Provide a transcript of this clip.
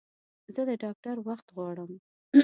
زه د ډاکټر وخت غواړم